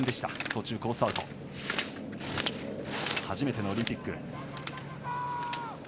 初めてのオリンピック。